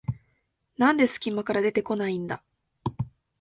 なんですき間から出てこないんだ